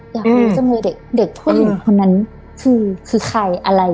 อยากรู้สึกด้วยเด็กพุ้ยหญิงคนนั้นคือใครอะไร